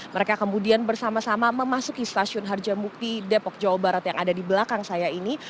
mereka kemudian bersama sama memasuki stasiun harjamukti depok jawa barat yang ada di belakang saya ini